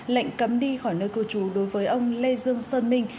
lệnh cấm đi khỏi nơi cư trú đối với ông lê dương sơn minh